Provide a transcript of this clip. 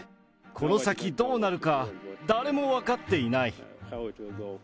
この先、どうなるか、誰も分かっていない。